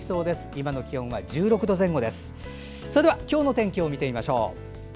今日の天気を見てみましょう。